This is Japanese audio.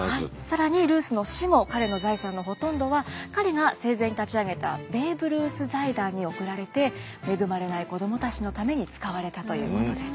更にルースの死後彼の財産のほとんどは彼が生前に立ち上げたベーブ・ルース財団に送られて恵まれない子どもたちのために使われたということです。